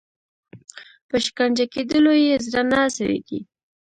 په شکنجه کېدلو یې زړه نه سړیږي.